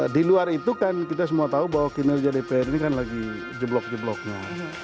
di luar itu kan kita semua tahu bahwa kinerja dpr ini kan lagi jeblok jebloknya